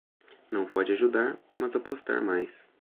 Não pode ajudar, mas apostar mais